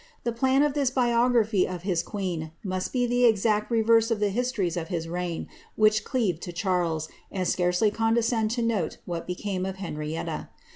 The plan of this biography of his queen roust be the exact reverse of the histories of hii reign, which cleave to Charles, and scarcely condescend to note whtf became of Henrietta.